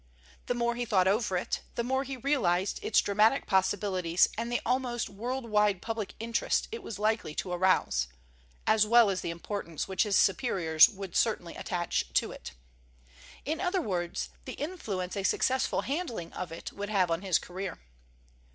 The more he thought over it, the more he realized its dramatic possibilities and the almost world wide public interest it was likely to arouse, as well as the importance which his superiors would certainly attach to it; in other words, the influence a successful handling of it would have on his career.